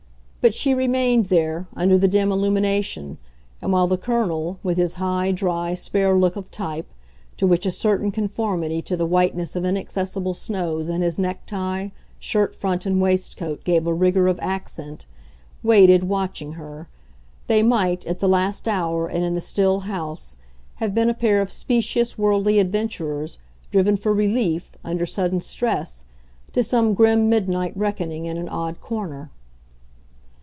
But she remained there, under the dim illumination, and while the Colonel, with his high, dry, spare look of "type," to which a certain conformity to the whiteness of inaccessible snows in his necktie, shirt front and waistcoat gave a rigour of accent, waited, watching her, they might, at the late hour and in the still house, have been a pair of specious worldly adventurers, driven for relief, under sudden stress, to some grim midnight reckoning in an odd corner.